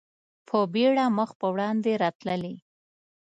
په بېړه مخ په وړاندې راتللې.